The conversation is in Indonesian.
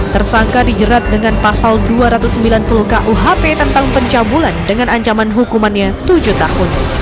tersangka dijerat dengan pasal dua ratus sembilan puluh kuhp tentang pencabulan dengan ancaman hukumannya tujuh tahun